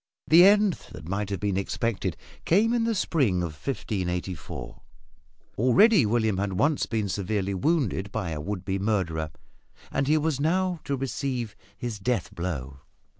The end that might have been expected came in the spring of 1584. Already William had once been severely wounded by a would be murderer, and he was now to receive his death blow.